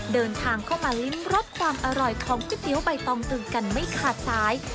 เดินทางเข้ามาลิ้มรสความอร่อยของก๋วยเตี๋ยวใบตองตึงกันไม่ขาดสาย